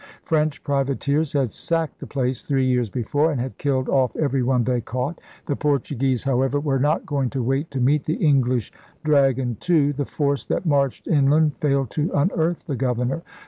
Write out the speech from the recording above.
French privateers had sacked the place three years before and had killed off everyone they caught; the Portuguese, however, were not going to wait to meet the English 'Dra gon' too. The force that marched inland failed to unearth the governor.